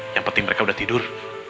yang penting mereka udah tidur